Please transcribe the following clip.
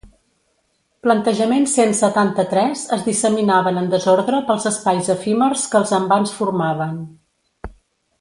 Plantejament cent setanta-tres es disseminaven en desordre pels espais efímers que els envans formaven.